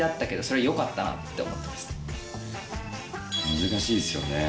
難しいっすよね